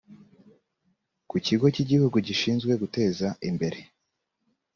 kigo cy igihugu gishinzwe guteza imbere